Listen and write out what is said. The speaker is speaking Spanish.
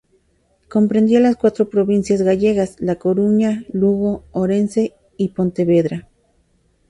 Comprendía las cuatro provincias gallegas: La Coruña, Lugo, Orense y Pontevedra.